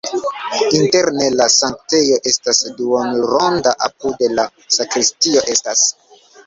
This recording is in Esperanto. Interne la sanktejo estas duonronda, apude la sakristio estas.